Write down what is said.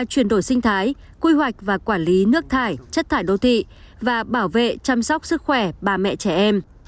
chuyển đổi sinh thái quy hoạch và quản lý nước thải chất thải đô thị và bảo vệ chăm sóc sức khỏe bà mẹ trẻ em